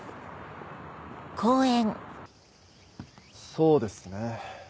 そうですね。